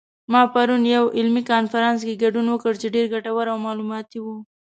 ما پرون یوه علمي کنفرانس کې ګډون وکړ چې ډېر ګټور او معلوماتي و